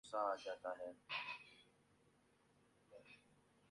میرا خاندان بھی یہاں سینکڑوں سال سے آباد ہے